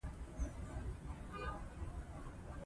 کرکټ د بازيو له لاري ښوونه کوي.